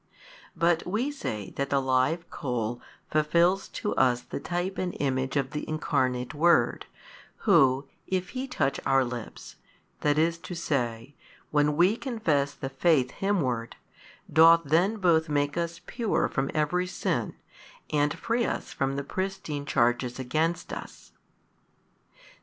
But we say that the live coal fulfils to us the type and image of the Incarnate Word, Who, if He touch our lips, i. e., when we confess the faith Him ward, doth then both make us pure from every sin and free us from the pristine charges against us.